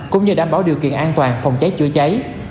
cũng như đảm bảo điều kiện an toàn phòng cháy chữa cháy